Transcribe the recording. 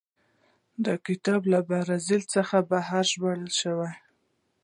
دا کتاب له برازیل بهر وژباړل شو.